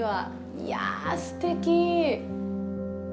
いやー、すてき！